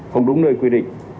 không đúng nơi quy định